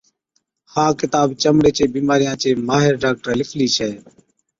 ها ڪِتاب چمڙِي چي بِيمارِيان چي ماهر ڊاڪٽرَي لِکلِي ڇَي۔